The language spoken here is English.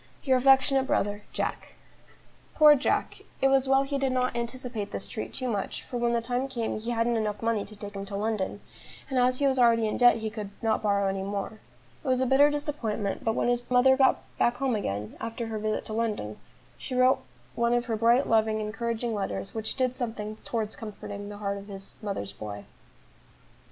"Your affectionate brother, "JACK." Poor Jack! it was well he did not anticipate this treat too much, for when the time came he hadn't enough money to take him to London, and as he was already in debt he could not borrow any more. It was a bitter disappointment; but when his mother got back home again after her visit to London, she wrote one of her bright, loving, encouraging letters, which did something towards comforting the heart of this "mother's boy."